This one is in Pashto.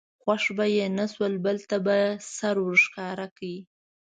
خوښ به یې نه شو بل ته به سر ور ښکاره کړ.